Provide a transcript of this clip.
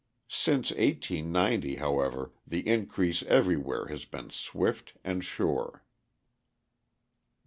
Since 1890, however, the increase everywhere has been swift and sure.